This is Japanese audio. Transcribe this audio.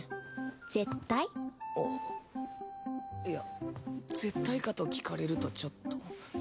いや絶対かと聞かれるとちょっと。